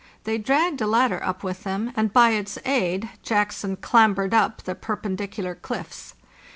They dragged a ladder up with them, and by its aid Jackson clambered up the perpendicular cliffs.